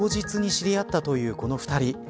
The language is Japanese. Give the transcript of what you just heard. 当日に知り合ったというこの２人。